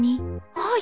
はい。